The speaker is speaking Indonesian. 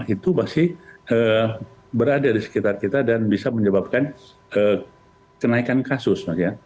itu masih berada di sekitar kita dan bisa menyebabkan kenaikan kasus